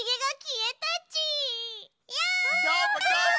どーもどーも！